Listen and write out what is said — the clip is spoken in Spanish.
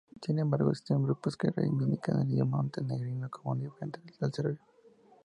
Sin embargo, existen grupos que reivindican al idioma montenegrino como uno diferente al serbio.